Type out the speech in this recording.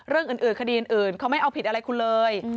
เรื่องอื่นคดีอื่นเขาไม่เอาผิดอะไรคุณเลย